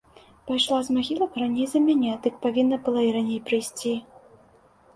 Пайшла з магілак раней за мяне, дык павінна была і раней прыйсці.